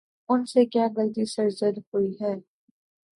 ان سے کیا غلطی سرزد ہوئی ہے؟